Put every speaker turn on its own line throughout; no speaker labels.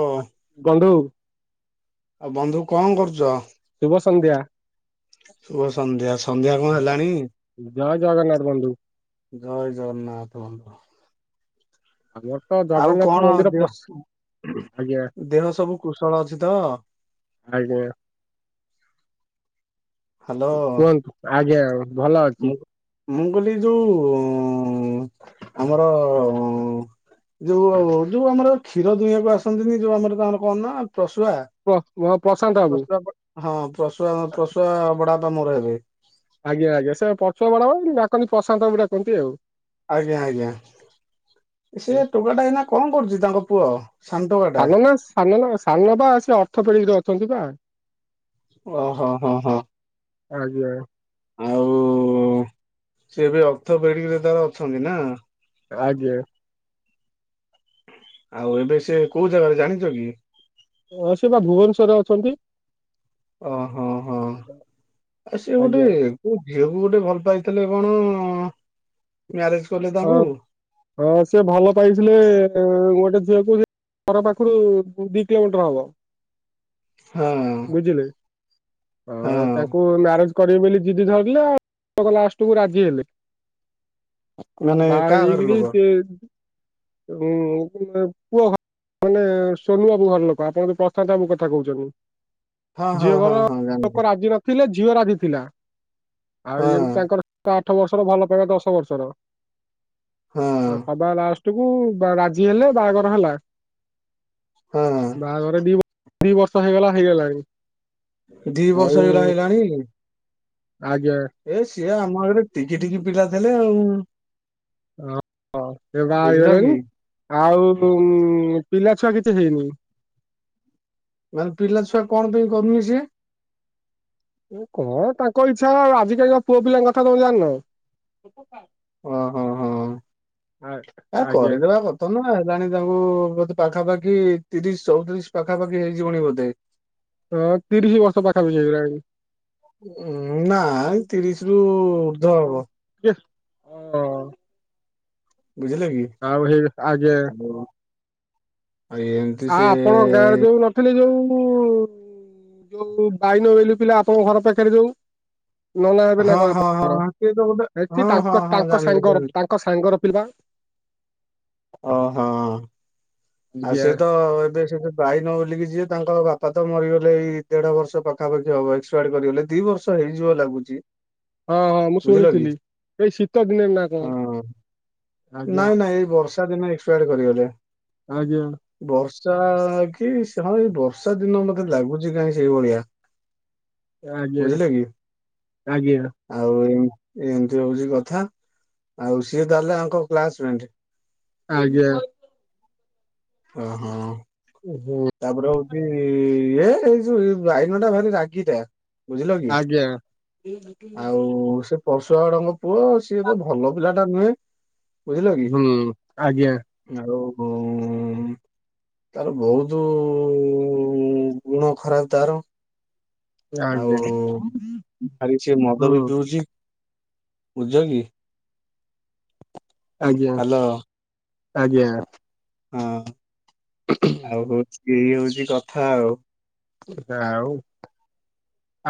ଓ
ଗଣ୍ଡୁ
ଆଉ ବନ୍ଧୁ କଣ କରୁଛ
ଶୁଭ ସନ୍ଧ୍ୟା
ଶୁଭ ସନ୍ଧ୍ୟା ସନ୍ଧ୍ୟା କଣ ହେଲାଣି
ଜୟ ଜଗନ୍ନାଥ ବନ୍ଧୁ
ଜୟ ଜଗନ୍ନାଥ ବନ୍ଧୁ
ହେଲୋ
ଆଉ କଣ ଦେହ
ଆଜ୍ଞା
ଦେହ ସବୁ କୁଶଳ ଅଛି ତ
ଆଜ୍ଞା
ହ୍ୟାଲୋ
କୁହନ୍ତୁ ଆଜ୍ଞା ଆଉ ଭଲ
ମୁଁ
ଅଛି
ମୁଁ କହିଲି ଯୋଉ ଆମର ଯୋଉ ଯୋଉ ଆମର କ୍ଷୀର ଦୁହିଁଆକୁ ଆସନ୍ତିନି ଯୋଉ ଆମର ତାଙ୍କର କଣ ନା ଦଶୁଆ
ପ ପ ପ୍ରଶାନ୍ତ ବାବୁ
ହଁ ପ୍ରସୁଆ ପ୍ରସୁଆ ବଡବାପା ମୋର ହେବେ
ଆଜ୍ଞା ଆଜ୍ଞା ସେ ପ୍ରସୁଆ ବଡବାପା ଡାକନ୍ତି ପ୍ରଶାନ୍ତ ବାବୁ ଡାକନ୍ତି ଆଉ
ଆଜ୍ଞା ଆଜ୍ଞା ସେ ଟୋକାଟା ଏଇନା କଣ କରୁଛି ତାଙ୍କ ପୁଅ ସାନ ଟୋକାଟା
ସାନନନା ସାନନନା ସାନ ବା ସେ ଓର୍ଥୋପେଡିକରେ ଅଛନ୍ତି ବା
ଓ ହୋ ହୋ ହୋ ହୋ
ଆଜ୍ଞା
ଆଉ ସେ ଏବେ ଓର୍ଥୋପେଡିକରେ ତାହେଲେ ଅଛନ୍ତି ନା
ଆଜ୍ଞା
ଆଉ ଏବେ ସେ କୋଉ ଜାଗାରେ ଜାଣିଛ କି
ହଁ ସେ ବା ଭୁବନେଶ୍ଵରରେ ଅଛନ୍ତି
ଓହଁ ହଁ ଆଉ ସେଏ ଗୋଟେ
ଆଜ୍ଞା
ମୋ ଝିଅକୁ ଗୋଟେ ଭଲ ପାଇଥିଲେ କଣ ମ୍ୟାରେଜ କଲେ ତାଙ୍କୁ
ହଁ ହଁ ସିଏ ଭଲ ପାଇଥିଲେ ଗୋଟେ ଝିଅକୁ ଘର ପାଖରୁ ଦି କିଲୋମିଟର ହବ
ହଁ ହଁ
ତାଙ୍କୁ ମାରେଜ କରିବେ ବୋଲି ଜିଦି ଧରିଲେ ଆଉ ଲାଷ୍ଟକୁ ରାଜି ହେଲେ
ମାନେ କାହା ଘର
ବାଗ
ଲୋକ
ଉ କୁଅ ଖ ମାନେ ସୋନୁ ବାବୁ ଘରଲୋକ ଆପଣ ବୋଧେ ପ୍ରଶାନ୍ତ ବାବୁ କଥା କହୁଛନ୍ତି
ହଁ ହଁ
ଝିଅ
ହଁ
ଘର
ହଁ ଜାଣିଲି
ଲୋକ ରାଜି ନଥିଲେ ଝିଅ ରାଜି ଥିଲା
ହଁ
ଆଉଇୁ ତାଙ୍କର ତା ଆଠ ବର୍ଷର ଭଲ ପାଇବା ଦଶ ବର୍ଷର
ହଁ
ସବା ଲାଷ୍ଟ କୁ ରାଜି ହେଲେ ବାହାଘର ହେଲା
ହଁ
ବାହାଘର ଦି ଦି ବର୍ଷ ହେଇଗଲା ହେଇଗଲାଣି
ଦି ବର୍ଷ ହେଇଗଲା ହେଲାଣି
ଆଜଞ
ଏ ସିଏ ଆମ ଆଡେ ଟିକି ଟିକି ପିଲା ଥିଲେ ଆଉ
ହଁ ସେ ବାହା
ବୁଝିଲ କି
ହେଇଗଲାଣି ଆଉ ପିଲାଛୁଆ କିଛି ହେଇନି
ମାନ ପିଲା ଛୁଆ କଣ ପାଇଁ କରୁନି ସେ
କଣ ତାଙ୍କ ଇଚ୍ଛା ଆଉ ଆଜିିକାଲି ପୁଅ ପିଲାଙ୍କ କଥା ତମେ ଜାଣିନ
ଓହୋ ହଁ
ଆ
ଆ
ଆଜ୍ଞା
କରିଦେବା କ ନା ହେଲାଣି ତାଙ୍କୁ ବୋଧେ ପାଖାପାଖି ତିରିଶ ଚଉତିରିଶ ପାଖାପାଖି ହେଇଯିବଣି ବୋଧେ
ହଁ ତିରିଶ ବର୍ଷ ପାଖାପାଖି ହୋଇଗଲାଣି
ଉ ନା ତିରିଶରୁ ଉର୍ଦ୍ଧ ହବ
କିଏ ହଁ ହଁ
ବୁଝିଲେ କି
ଆଉ ହେଇ ଆଗେ
ଅନ୍ତି ସେ
ମୁ କହିଲି ଯୋଉ ଯୋଉ ବାଇନ ବୋଲି ପିଲା ଆପଣଙ୍କ ଘର ପାଖରେ ଯୋଉ ନନା ହେବେ ନା
ହଁ
କଣ
ହଁ ହଁ
ଆପଣଙ୍କର
ହଁ ସିଏ ତ ଗୋଟେ
ହେଛି
ହଁ ହଁ
ତାଙ୍କ
ହଁ
ତାଙ୍କ
ଜାଣିଲି
ସାଙ୍ଗ
ଜାଣିଲି
ତାଙ୍କ ସାଙ୍ଗର ପିଲା
ଓହଁ ଆଉ
ଆଜ୍ଞା
ସେ ତ ଏବେ ସେ ବାଇନ ବୋଲିକି ଯିଏ ତାଙ୍କର ବାପା ତ ମରିଗଲେ ଏଇ ଦେଢ ବର୍ଷ ପାଖାପାଖି ହବ ଏକ୍ସପାୟାର୍ କରିଗଲେ ଦି ବର୍ଷ ତ ହେଇଯିବ ଲାଗୁଛି।
ହଁ ହଁ ମୁଁ
ବୁଝିଲ କି
ଶୁଣିଥିଲି ଏଇ ଶୀତ ଦିନେ ନା
ହଁ
କଣ
ନାଇଁ
ଆଜ୍ଞା।
ନାଇଁ ଏ ବର୍ଷ। ତା ଦିନ ଏକ୍ସପାୟାଡ କରିଗଲେ।
ଆଜ୍ଞା।
ବର୍ଷା କି ହଁ ସେ ଏଇ ବର୍ଷା ଦିନ ମତେ ଲାଗୁଛି କାହିଁ ସେଇଭଳିଆ। [inaudible]
ଆଜ୍ଞା
ବୁଝିଲେ କି।
ଆଜ୍ଞା।
ଆଉ ଏ ଏମିତି ହଉଛି କଥା। ଆଉ ସିଏ ତାହାଲେ ଆଙ୍କ କ୍ଲାସ ମେଣ୍ଟ?
ଆଜ୍ଞା।
ଓହୋ।
ଉହୁଁ।
ତାପରେ ହଉଛି ଏ ଏଇ ଯୋଉ ବାଇନ ଟା ଭାରି ରାଗିଟା। ବୁଝିଲ କି
ଆଜ୍ଞା।
ଆଉ ସେ ପର୍ଶୁଆ ବଡାଙ୍କ ପୁଅ ସିଏ ତ ଭଲ ପିଲା ଟା ନୁହେଁ ବୁଝିଲ କି
ହୁଁ ଆଜ୍ଞା
ଆଉ ତାର ବହୁତ ଯୋଉ ଗୁଣ ଖରାପ ତାର। ଆଉ
ଆଜ୍ଞା
ଭାରି ସିଏ ମଦ
ହୁଁ
ବି ପିଉଛି ବୁଝ କି।
ଆଜ୍ଞା
ହ୍ୟାଲୋ
ଆଜ୍ଞା।
ହଁ ଆଉ ହୋଉଛି ଏଇ ହୋଉଛି କଥା ଆଉ।
ଆଉ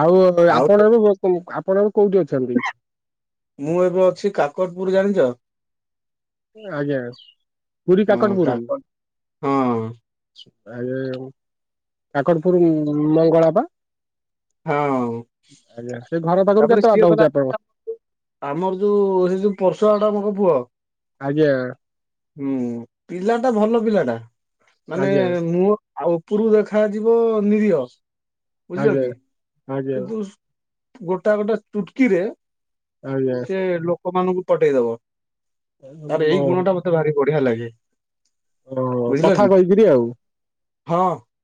ଆଉ
ଆଉ
ଆପଣ ଏବେ କୋ ଆପଣ ଏବେ କୋଉଠି ଅଛନ୍ତି?
ମୁଁ ଏବେ ଅଛି କାକଟପୁର ଜାଣିଛ?
ଆଜ୍ଞା ପୁରୀ
ହଁ
କାକଟପୁର।
କାକଟ ହଁ
ଆ କାକଟପୁର ମଙ୍ଗଳା ପା।
ହଁ
ଆଜ୍ଞା ସେ ଘର ପାଖରୁ
ତାପରେ
କେତେ
ସିଏ
ବାଟ
ଗଲା
ହଉଛି ଆପଣଙ୍କ?
ଆମର ଯୋଉ ହେ ଯୋଉ ପରର୍ଶୁଆଳ ଟା ଆମର ପୁଅ
ଆଜ୍ଞା।
ହୁଁ ପିଲା ଟା ଭଲ ପିଲା ଟା ମାନେ
ଆଜ୍ଞା
ମୁହ ଆଉ ଉପରକୁ ଦେଖାଯିବ ନିରୀହ ବୁଝିଲ
ଆଜ୍ଞା
କି
ଆଜ୍ଞା
କିନ୍ତୁ ଗୋଟା ଗୋଟେ ଚୁଟକି ରେ
ଆଜ୍ଞା
ସେ ଲୋକମାନଙ୍କୁ ପଟେଇ ଦବ ତାର ଏଇ ଗୁଣ ଟା
ଓହୋ
ମତେ ଭାରି ବଢିଆ ଲାଗେ।
ଓହୋ
ବୁଝିଲ
କଥା
କି
କହିକିରି ଆଉ
ହଁ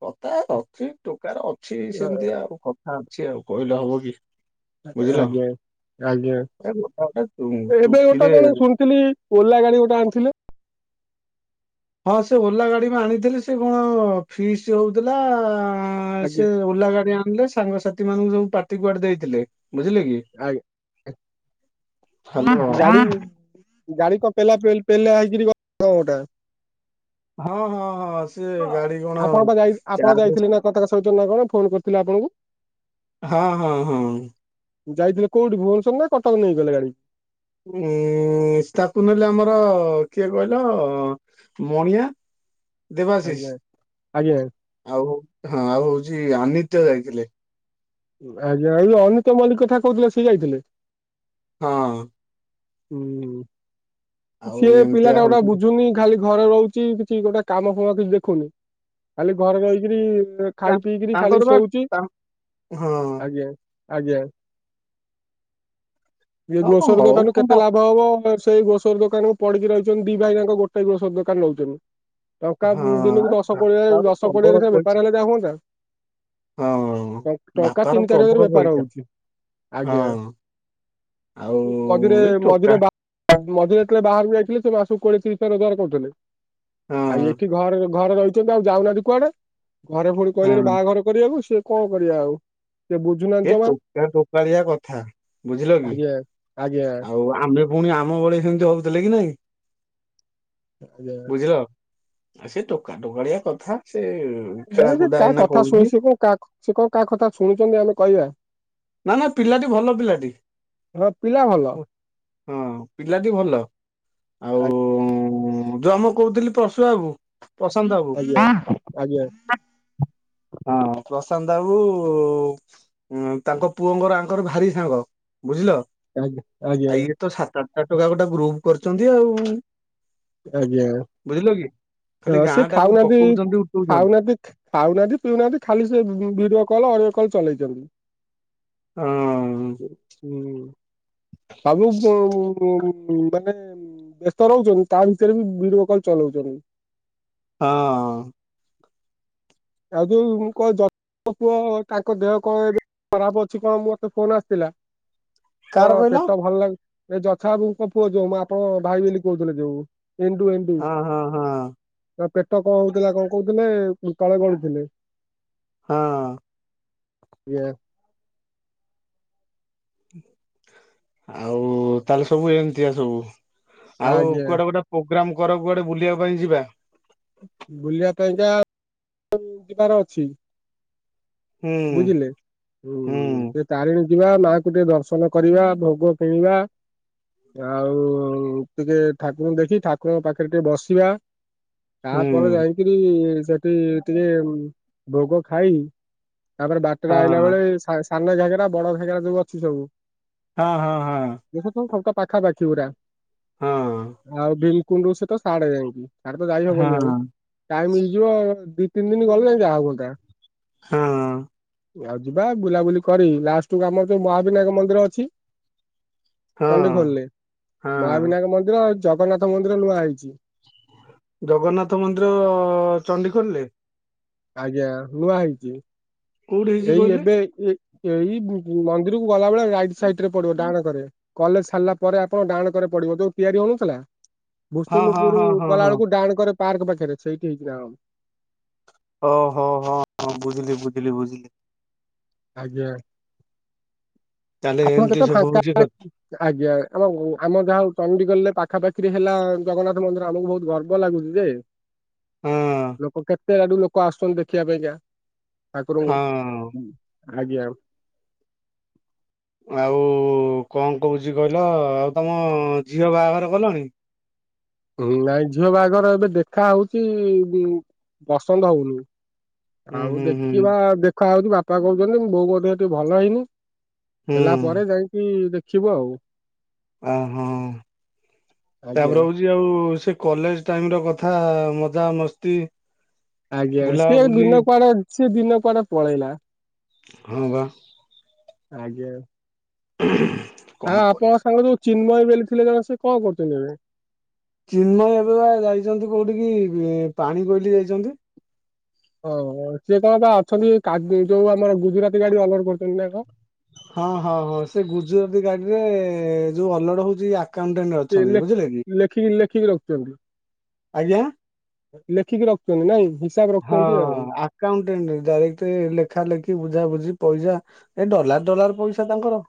କଥା ସେ ଟୋକାର ଅଛି ସେମିତିଆ କଥା ଅଛି ଆଉ କହିଲେ ହବ କି। ବୁଝିଲ।
ଆଜ୍ଞା ଆଜ୍ଞା
ଏ ଗୋଟେ ଗୋଟେ ଚୁ
ଏବେ
ଚୁଟକିରେ
ଗୋଟେ କଣ ଶୁଣିଥିଲି ଓଲା ଗାଡି ଗୋଟେ ଆଣିଥିଲେ?
ହଁ ସେ ଓଲା ଗାଡି ବି ଆଣିଥିଲେି ସେ କଣ ଫିସ୍ ହୋଉଥିଲା ଆଁ
ଆଜ୍ଞା
ସେ ଓଲା ଗାଡି ଆଣିଲେ ସାଙ୍ଗସାଥି ମାନଙ୍କୁ ସବୁ ପାର୍ଟି କୁଆଡେ ଦେଇଥିଲେ ବୁଝିଲେ କି।
ଆ
ହାଲୋ ହଁ
ଗାଡି ଗାଡି କ ପେଲା ପେଲ ପେଲା ହେଇକିରି ଗୋଟା
ହଁ ହଁ ହଁ ସେ ଗାଡି କଣ ଚାଲ
କ ତାଙ୍କ ସହିତ ନ କଣ ଫୋନ କରିଥିଲେ ଆପଣଙ୍କୁ?
ହଁ ହଁ ହଁ।
ଯାଇଥିଲେ କୋଉଠି ଭୁବନେଶ୍ୱର ନା କଟକ ନେଇକି ଗଲେ ଗାଡି?
ଉଁ ତାକୁ ନହେଲେ ଆମର କିଏ କହିଲ ମଣିଆ
ଆଜ୍ଞା
ଦେବାଶିଷ
ଆଜ୍ଞା
ଆଉ ହଁ ଆଉ ହୋଉଛି ଆନିତ୍ୟ ଯାଇଥିଲେ।
ଆଜ୍ଞା ଆଉ ଯଉ ଅନିତ ମଲ୍ଲିକ କଥା କହୁଥିଲେ ସିଏ ଯାଇଥିଲେ।
ହଁ।
ହୁଁ
ଆଉ
ସିଏ
ଏମିତିଆ
ପିଲାଟା ଗୋଟା
ହଉଛି
ବୁଝୁନି ଖାଲି ଘରେ ରହୁଛି କିଛି ଗୋଟେ କାମ ଫୁମ କିଛି ଦେଖୁନି ଖାଲି ଘରେ ରହିକରି
ତା-
ଖାଇ ପିଇକିରି ଖାଲି
ତାଙ୍କର ବା
ଶୋଉଛି
ତା- ହଁ
ଆଜ୍ଞା ଆଜ୍ଞା। ଏ
ହଉ
ଗ୍ରୋସରୀ
ହଉ
ଦୋକାନରୁ
କଣ
କେତେ
ବା
ଲାଭ ହବ। ସେଇ ଗ୍ରୋସର ଦୋକାନକୁୁ ପଡିକି ରହିଛନ୍ତି ଦି ଭାଇ ତାଙ୍କ ଗୋଟେ ଗ୍ରୋସର ଦୋକାନ ରହୁଛନ୍ତି। ଟଙ୍କା
ହଁ
ଦିନକୁ ଦଶ କୋଏ
ବାପାର
ଦଶ
ପ୍ରବଳ
କୋଡିଏରେ
ପଇସା
ବେପାର ହେଲେ ଯାହା ହୁଅନ୍ତା।
ହଁ
ଟଙ୍କା
ବାପାର
ତିନି ଚାରି ହଜାର
ପ୍ରବଳ
ବେପାର
ପଇସା
ହଉଛି ଆଜ୍ଞା।
ହଁ ଆଉ
ମଝିରେ
ଏ ଟୋକା
ମଝିରେ ମଝିରେ ଯେତେବେଳେ ବାହାରକୁ ଯାଇଥିଲେ ସେ ମାସକୁ ଥରେ ରୋଜଗାର କରୁଥିଲେ।
ହଁ
ଆଉ ଏଠି ଘରେ ଘରେ ରହିଛନ୍ତି ଆଉ ଯାଉନାହାନ୍ତି କୁଆଡେ ଘରେ ପୁଣି କହିଲେଣି
ହଁ
ବାହାଘର। କରିବାକୁ ସିଏ କଣ କରିବ ଆଉ ସେ ବୁ
ଏ ଟୋକା ଟୋକାଳିଆ କଥା।
ଆଜ୍ଞା ଆଜ୍ଞା।
ହୋଉ ଆମେ ଫୁଣି ଆମ ଭଳି ସେମିତି ହୋଉଥିଲେ କି ନାଇଁ
ଆଜ୍ଞା।
ବୁଝିଲ। ଆଉ ସେ ଟୋକା ଟୋକାଳିଆ କଥା ସେ
ସେ
ଖେଳାକୁଦା
କା
ଏଇନା
କଥା ଶୁଣି
କରୁଛି
ଶି କ କା ଶି କଣ କା କଥା ଶୁଣୁଛନ୍ତି ଆମେ କହିବା।
ନା ନା ପିଲାଟି ଭଲ ପିଲାଟି
ହଁ ପିଲା ଭଲ
ହଁ ପିଲାଟି ଭଲ।
ଆଜ୍ଞା।
ଆଉ ଜମ କହୁଥିଲି ପଶୁଆକୁ। ପ୍ରଶାନ୍ତ
ଆଜ୍ଞା
ବାବୁ।
ଆଜ୍ଞା
ହଁ ପ୍ରଶାନ୍ତ ବାବୁ। ତାଙ୍କ ପୁଅଙ୍କର ଆଙ୍କର ଭାରି ସାଙ୍ଗ ବୁଝିଲ।
ଆଜ୍ଞା
ଆଉ
ଆଜ୍ଞା।
ଇଏ ତ ସାତ ଆଠ ଟଙ୍କା ଗୋଟେ ଗ୍ରୁପ୍ କରିଛନ୍ତି ଆଉ। ବୁଝିଲ କି ଖାଲି
ଆଜ୍ଞା ସିଏ
ଗାଁ ଟାକୁ
ଖାଉନାହାନ୍ତି
ପକଉଛନ୍ତି ଉଠଉଛନ୍ତି
ଖାଉନାହାନ୍ତି। ପାଉନାହାନ୍ତି ପିଉନାହାନ୍ତି ଖାଲି ସେ ଭିଡିଓ କଲ ଅଡିଓ କଲ୍ ଚଲେଇଛନ୍ତି।
ହଁ।
ହୁଁ। ସବୁ ମାନେ ବ୍ୟସ୍ତ ରହୁଛନ୍ତି ତା ଭିତରେ ବି ଭିଡିଓ କଲ୍ ଚଲାଉଛନ୍ତି।
ହଁ।
ଆଉ ଯୋଉ ମୋ ପୁଅ ତାଙ୍କ ଦେହ କଣ ଏବେ ଖରାପ ଅଛି କଣ ମୋ ମତେ ଫୋନ ଆସିଥିଲା।
[inaudible]
କଣ ପେଟ ଟା ଭଲ ଲାଗି ଏ ଯଛାବୁଙ୍କ ପୁଅ ଯୋଉ ମୁଁ ଆପଣଙ୍କ ଭାଇ ବୋଲି କହୁଥିଲ ଯୋଉ ଏଣ୍ଡୁ ଏଣ୍ଡୁ।
ହଁ ହଁ ହଁ
ପେଟ କଣ ହଉଥିଲା କଣ କହୁଥିଲେ ତଳେ ଗଳୁଥିଲେ।
ହଁ।
ଇଏ।
ଆଉ ତାହେଲେ ସବୁ ଏମିତିଆ ସବୁ ଆଉ
ଆଜ୍ଞା
କୁଆଡେ ଗୋଟେ ପୋଗ୍ରାମ କର କୁଆଡେ ବୁଲିବା ପାଇଁ ଯିବା।
ବୁଲିବା ପାଇଁ ଯା ଯିବାର ଅଛି।
ହୁଁ
ବୁଝିଲେ ହୁଁ। ତାରିଣୀ ଯିବା ମାଆ କୁ ଟିକେ ଦର୍ଶନ କରିବା ଭୋଗ କିଣିବା। ଆଉ ଟିକେ ଠାକୁରଙ୍କୁ ଦେଖି ଠାକୁରଙ୍କ ପାଖରେ ଟିକେ ବସିବା। ତାପରେ
ହୁଁ
ଯାଇକିରି ସେଠି ଟିକେ ଭୋଗ ଖାଇ ତାପରେ ବାଟରେ
ହଁ
ଆଇଲା ବେଳେ ସାନ ଘାଗେରା ବଡ ଘାଗେରା ଯୋଉ ଅଛି ସବୁ।
ହଁ ହଁ ହଁ।
ଏ ତ ସବୁଟା ପାଖାପାଖି ପୁରା
ହଁ
ଆଉ ଭୀମକୁଣ୍ଡ ରୁ ସେ ତ ସେଆଡେ଼ ଯାଇକି। ସାଡେତ
ହଁ
ଯାଈହବନି ଆଉ ଟାଇମ୍ ହେଇଯିବ ଦି ତିନି ଦିନ ଗଲେ ଯାଇ ଜାହା ହୁଅନ୍ତା।
ହୁଁ।
ଆଉ ଯିବା ବୁଲାବୁଲି କରି ଲାଷ୍ଟ କୁ ଆମର ଯୋଉ ମହାବିନାୟକ ମନ୍ଦିର ଅଛି।
ହଁ
ଚଣ୍ଡିଖୋଲରେ
ହଁ
ମହାବିନାୟକ ମନ୍ଦିର ଜଗନ୍ନାଥ ମନ୍ଦିର ନୂଆ ହେଇଛି।
ଜଗନ୍ନାଥ ମନ୍ଦିର ଚଣ୍ଡିଖୋଲରେ
ଆଜ୍ଞା ନୂଆ ହେଇଛି।
କୋଉଠି ହେଇଛି
ଏଇ
କହିଲେ
ଏବେ ଏଇ ମନ୍ଦିର କୁ ଗଲା ବେଳେ ରାଇଟ ସାଇଡ ରେ ପଡିବ ଡାହାଣ କରେ। କଲେଜ ସାରିଲା ପରେ ଆପଣ ଡାଣ କରେ ପଡିବ ଯୋଉ ତିଆରି ହଉନଥିଲା।
ହଁ ହଁ
ଭୁସୁନୁପୁର
ହଁ ହଁ ହଁ
ଗଲାବେଳକୁ ଡାହାଣ କରେ ପାର୍କ ପାଖରେ ସେଇଠି ହେଇକି ନା ହଁ
ଓହୋ ହଁ ହଁ ବୁଝିଲି ବୁଝିଲି ବୁଝିଲି।
ଆଜ୍ଞା
ତାହେଲେ
ଆପଣ
ଏମିତି
କେତେ
ସବୁ
ଫାଙ୍କା
ହଉଛି କଥା
ଆଜ୍ଞା ଆମ ଆମ ଯାହା ହଉ ଚଣ୍ଡିଖୋଲରେ ପାଖାପାଖିରେ ହେଲା ଜଗନ୍ନାଥ ମନ୍ଦିର ଆମକୁ ବହୁତ ଗର୍ବ ଲାଗୁଛି ଯେ ଲୋକ କେତେ ଆଡୁ ଲୋକ ଆସୁଛନ୍ତି ଦେଖିବା ପାଇଁକା।
ହଁ ହଁ।
ଠାକୁୁରଙ୍କୁ ଆଜ୍ଞା
ଆଉ କଣ କହୁଛି କହିଲ ଆଉ ତମ ଝିଅ ବାହାଘର କଲଣି?
ନାଇଁ ଝିଅ ବାହାଘର ଏବେ ଦେଖା ହଉଛି ପସନ୍ଦ ହଉନି।
ହୁଁ
ଆଉ
ହୁଁ ହୁଁ
ଦେଖିବା ଦେଖା ହଉଛି ବାପା କହୁଛନ୍ତି ବୋଉଙ୍କ ଦେହ ଟିକେ ଭଲ ହେଇନି।
ହୁଁ
ହେଲା ପରେ ଯାଇକି ଦେଖିବୁ ଆଉ।
ଆ ହଁ
ଆଜ୍ଞା
ତାପରେ ହଉଛି ଆଉ ସେ କଲେଜ ଟାଇମ ର କଥା ମଜା ମସ୍ତି
ଆଜ୍ଞା
ବୁଲା
ସିଏ
ବୁଲି
ଦିନ କୁଆଡେ ସିଏ ଦିନ କୁଆଡେ ପଳେଇଲା।
ହଁ ବା
ଆଜ୍ଞା
ହୁଁ
ହଁ ଆପଣଙ୍କ ସାଙ୍ଗରେ ଯୋଉ ଚିନ୍ମୟ ବେଲି ଥିଲେ ଜଣେ ସେ କଣ କରୁଚନ୍ତି ଏବେ?
ଚିନ୍ମୟ ଏବେ ବା ଯାଇଛନ୍ତି କୋଉଠି କିି ପାଣି କୋଇଲି ଯାଇଛନ୍ତି।
ହଁ ସିଏ କଣ ବା ଅଛନ୍ତି ଏଇ କା ଯୋଉ ଆମର ଗୁଜୁରାତି ଗାଡି ଅର୍ଲର କରୁଛନ୍ତି ନା କଣ?
ହଁ ହଁ ହଁ ସେ ଗୁଜୁରାତିୀ ଗାଡି ରେ ଯୋଉ ଅଲଡ ହଉଛି ଆକାଉଣ୍ଟାଣ୍ଟ
ସେ ଲେ
ଅଛନ୍ତି ବୁଝିଲେ କି
ଲେଖିକି ଲେ ଖୀକି ରଖୁଛନ୍ତି।
ଆଜ୍ଞା
ଲେଖିକି ରଖୁ ଚନ୍ତି ନାଇଁ ହିସାବ
ହଁ
ରଖୁଛନ୍ତି ଆଉ।
ଆକାଉଟେଣ୍ଟ ଡାଇରେକ୍ଟ ଲେଖା ଲେଖି ବୁଝାବୁଝି ପଇସା ଏଇ ଡଲାର ଡଲାର ପଇସା ତାଙ୍କର।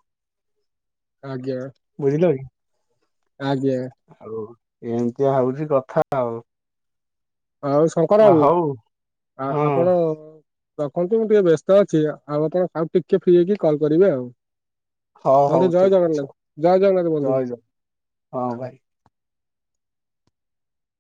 ଆଜ୍ଞା
ବୁଝିଲ କି
ଆଜ୍ଞା
ଆଉ ଏମିତିଆ ହଉଛି କଥା ଆଉ।
ଆଉ ଶଙ୍କର ବାବୁ
ହଉ
ଆ
ହଁ
ଆପଣ ରଖନ୍ତୁ ମୁଁ ଟିକେ ବ୍ୟସ୍ତ ଅଛି ଆଉ ଆପଣ ଆଉ ଟିକେ ଫ୍ରି ହେଇକି କଲ୍ କରିବେ ଆଉ।
ହଉ
ବନ୍ଧୁ
ହଉ
ଜୟ
ଠିକ ଅଛି
ଜଗନ୍ନାଥ
ହଉ
ଜୟ ଜଗନ୍ନାଥ ବନ୍ଧୁ।
ଜୟ ଜଗନ୍ନାଥ ହଁ ଭାଇ।